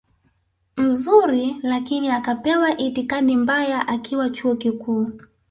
mzuri lakini akapewa itikadi mbaya akiwa chuo kikuu